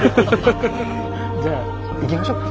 じゃあ行きましょうか。